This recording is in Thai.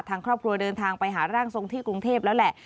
ทางครอบครัวเดินทางไปหาร่างทรงที่กรุงเทพแล้วแหละ